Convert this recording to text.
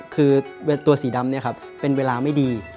คือตัวสีดำเนี่ยครับเป็นเวลาไม่ดี